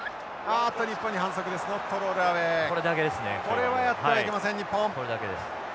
これはやってはいけません日本。